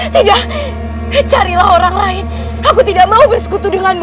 tidak carilah orang lain aku tidak mau bersekutu denganmu